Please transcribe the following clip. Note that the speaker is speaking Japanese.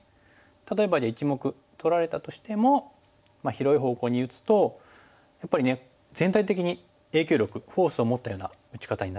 例えば１目取られたとしても広い方向に打つとやっぱりね全体的に影響力フォースを持ったような打ち方になりますよね。